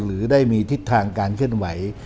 หรือได้มีทิศทางการเคลื่อนไหว